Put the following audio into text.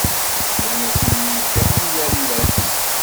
Ttwanasen-ken yal ass.